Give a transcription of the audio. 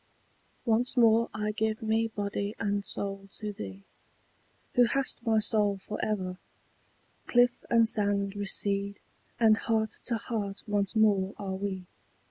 Once more I give me body and soul to thee, Who hast my soul for ever: cliff and sand Recede, and heart to heart once more are we.